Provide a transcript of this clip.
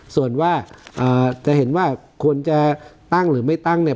ส่วนว่าจะเห็นว่าควรจะตั้งหรือไม่ตั้งเนี่ย